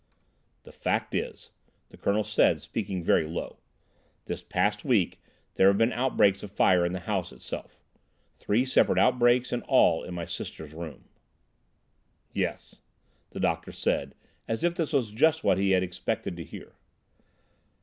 "The fact is," the Colonel said, speaking very low, "this past week there have been outbreaks of fire in the house itself. Three separate outbreaks—and all—in my sister's room." "Yes," the doctor said, as if this was just what he had expected to hear.